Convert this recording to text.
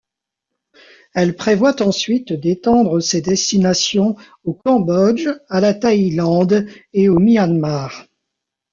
Elle prévoit ensuite d'étendre ses destinations au Cambodge, à la Thaïlande et au Myanmar.